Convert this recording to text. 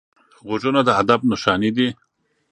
غوږونه د ادب نښانې دي